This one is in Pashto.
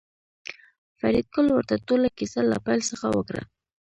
فریدګل ورته ټوله کیسه له پیل څخه وکړه